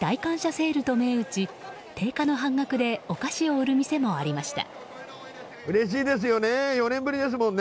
セールと銘打ち定価の半額でお菓子を売る店もありました。